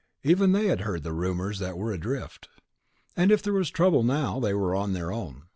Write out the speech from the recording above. Even they had heard the rumors that were adrift.... And if there was trouble now, they were on their own.